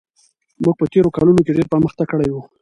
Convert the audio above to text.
موږ په تېرو کلونو کې ډېر پرمختګ کړی و.